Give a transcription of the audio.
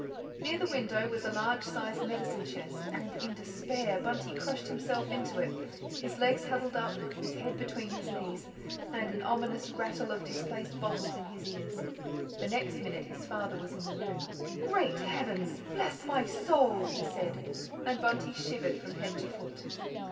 Near the window was a large sized medicine chest, and in despair Bunty crushed himself into it, his legs huddled up, his head between his knees, and an ominous rattle of displaced bottles in his ears. The next minute his father was in the room. "Great Heavens! God bless my soul!" he said, and Bunty shivered from head to foot.